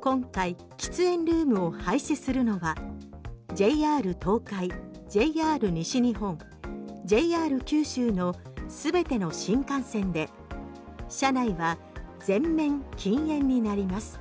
今回喫煙ルームを廃止するのはＪＲ東海、ＪＲ西日本ＪＲ九州の全ての新幹線で車内は全面禁煙になります。